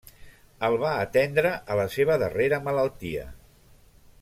El va atendre a la seva darrera malaltia.